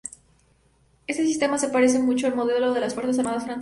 Este sistema se parece mucho al modelo de las fuerzas armadas francesas.